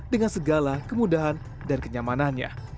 dengan segala kemudahan dan kenyamanannya